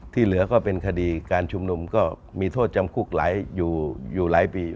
เหลือก็เป็นคดีการชุมนุมก็มีโทษจำคุกอยู่หลายปี